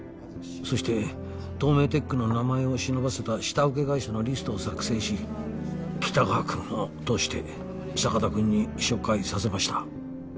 そしてトーメイテックの名前を忍ばせた下請け会社のリストを作成し北川君を通して坂戸君に紹介させました